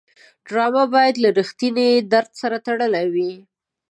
ډرامه باید له رښتینې درد سره تړلې وي